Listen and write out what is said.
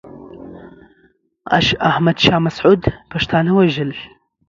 احمد شاه مسعود پښتانه وژل.